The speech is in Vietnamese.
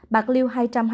bạc liêu hai hai mươi bảy